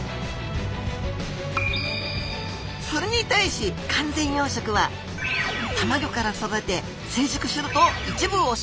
それに対し完全養殖はたまギョから育て成熟すると一部を出荷。